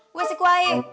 gue sih kuai